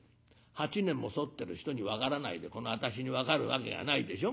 ８年も添ってる人に分からないでこの私に分かるわけがないでしょ。